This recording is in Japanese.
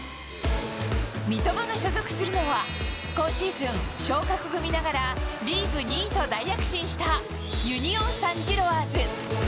三笘が所属するのは、今シーズン、昇格組ながらリーグ２位と大躍進したユニオン・サン・ジロワーズ。